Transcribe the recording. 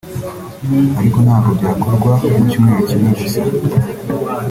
ariko ntabwo byakorwa mu cyumweru kimwe gusa